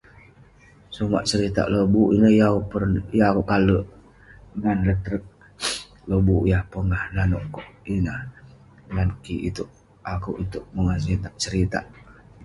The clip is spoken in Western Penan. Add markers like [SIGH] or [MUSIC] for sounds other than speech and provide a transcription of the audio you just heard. Sumak seritak lobuk ineh yeng akouk per- akouk kale ngan [UNINTELLIGIBLE] lobuk yah pongah nanouk kok ineh ngan kik itouk. Akouk itouk mongak si- seritak.